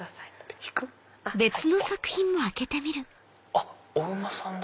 あっお馬さんだ。